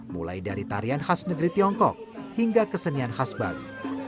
mulai dari tarian khas negeri tiongkok hingga kesenian khas bali